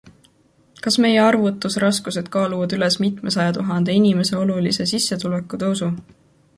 Kas meie arvutusraskused kaaluvad üles mitmesaja tuhande inimese olulise sissetulekutõusu?